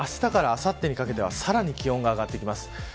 あしたからあさってにかけてはさらに気温が上がってきます。